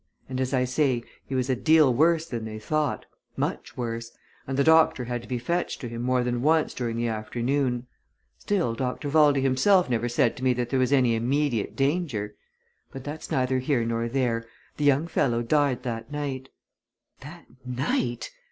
And as I say, he was a deal worse than they thought, much worse, and the doctor had to be fetched to him more than once during the afternoon. Still Dr. Valdey himself never said to me that there was any immediate danger. But that's neither here nor there the young fellow died that night." "That night!"